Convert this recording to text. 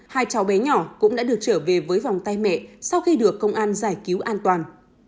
hai cháu bé nhỏ cũng đã được trở về với vòng tay mẹ sau khi được công an giải cứu an toàn